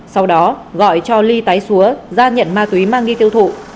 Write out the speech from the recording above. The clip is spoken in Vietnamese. sau đó gọi cho ly tái xúa ra nhận ma túy mang đi tiêu thụ